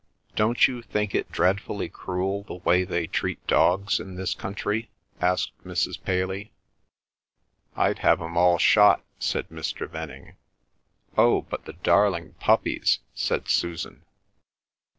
"Don't you think it dreadfully cruel the way they treat dogs in this country?" asked Mrs. Paley. "I'd have 'em all shot," said Mr. Venning. "Oh, but the darling puppies," said Susan.